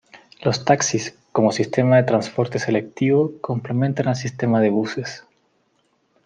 Los taxis, como sistema de transporte selectivo, complementan al sistema de buses.